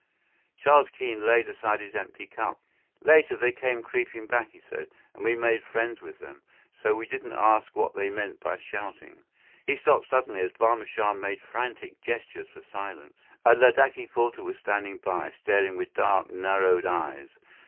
Charles Keene laid aside his empty cup. "Later, they came creeping back," he said, "and we made friends with them. So we didn't ask what they meant by shouting " He stopped suddenly, as Barma Shah made frantic gestures for silence. A Ladakhi porter was standing by, staring with dark, narrowed eyes.